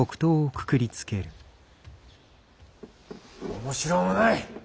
面白うもない。